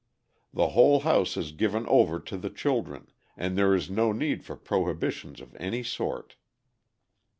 The whole house is given over to the children, and there is no need for prohibitions of any sort.